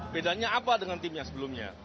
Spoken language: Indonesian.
bedanya apa dengan tim yang sebelumnya